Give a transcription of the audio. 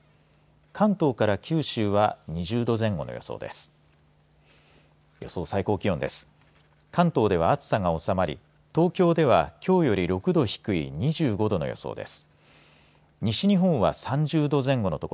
関東から九州は２０度前後の予想です。